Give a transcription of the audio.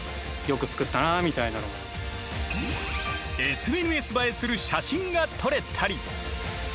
ＳＮＳ映えする写真が撮れたり。